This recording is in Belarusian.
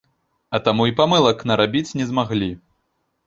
А таму і памылак нарабіць не змаглі.